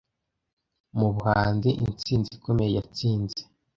Mubuhanzi intsinzi ikomeye yatsinze!